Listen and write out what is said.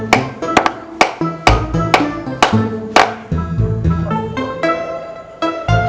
sendang saya ini tipa aku ustadz